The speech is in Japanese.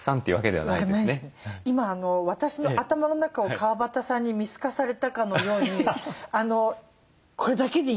今私の頭の中を川端さんに見透かされたかのようにこれだけでいいんですね。